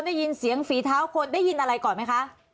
ได้ยินเสียงฝีเท้าคนได้ยินอะไรก่อนไหมคะ